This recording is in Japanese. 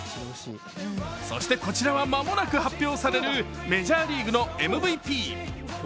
そしてこちらは間もなく発表されるメジャーリーグのＭＶＰ。